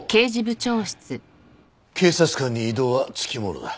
警察官に異動は付きものだ。